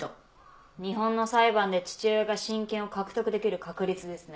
日本の裁判で父親が親権を獲得できる確率ですね。